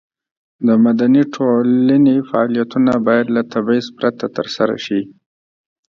د مدني ټولنې فعالیتونه باید له تبعیض پرته ترسره شي.